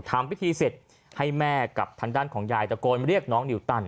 ทำพิธีเสร็จให้แม่กับทางด้านของยายตะโกนเรียกน้องนิวตัน